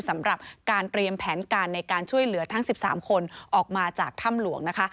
สำหรับการเตรียมแผนการในการช่วยเหลือทั้ง๑๓คนออกมาจากถ้ำหลวงนะคะ